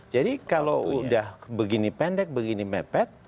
jadi kalau udah begini pendek begini mepet